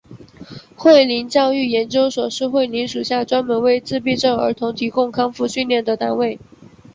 慧灵教育研究所是慧灵属下专门为自闭症儿童提供康复训练的单位。